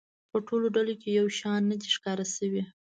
په ټولو ډلو کې یو شان نه دی ښکاره شوی.